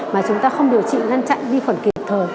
mà chúng ta không điều trị ngăn chặn vi khuẩn kịp thời